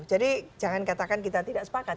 jangan katakan kita tidak sepakat